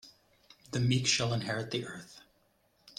The meek shall inherit the earth.